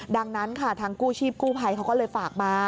ดังนั้นค่ะทางกู้ชีพกู้ภัยเขาก็เลยฝากมา